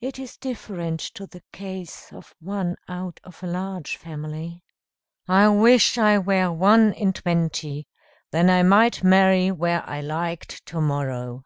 It is different to the case of one out of a large family." "I wish I were one in twenty, then I might marry where I liked to morrow."